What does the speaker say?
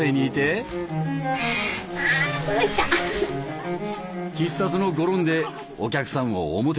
必殺のゴロンでお客さんをおもてなし。